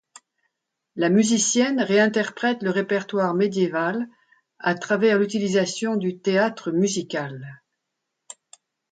La musicienne réinterprête le répertoire médiéval à travers l'utilisation du théâtre musical.